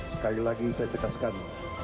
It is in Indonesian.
sekali lagi saya tegaskan